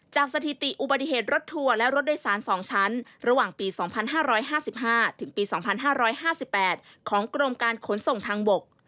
สถิติอุบัติเหตุรถทัวร์และรถโดยสาร๒ชั้นระหว่างปี๒๕๕๕ถึงปี๒๕๕๘ของกรมการขนส่งทางบก